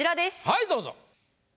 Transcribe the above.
はいどうぞ。